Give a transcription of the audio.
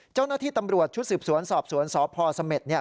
เจ้าหน้าที่ตำรวจชุดศิษยุปสวรรค์สอบสวรรค์ศรพสมศิษย์